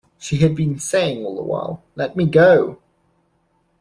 She had been saying all the while, "Let me go!"